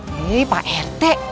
nih pak rt